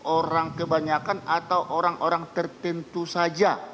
orang kebanyakan atau orang orang tertentu saja